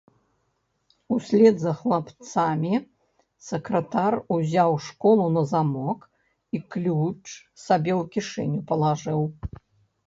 Услед за хлапцамі сакратар узяў школу на замок і ключ сабе ў кішэню палажыў.